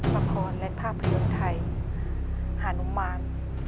ละครและภาพยนตร์ไทยหานุมาน